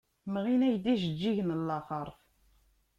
Mɣin-ak-d ijeǧǧigen n laxeṛt.